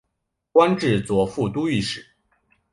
官至左副都御史。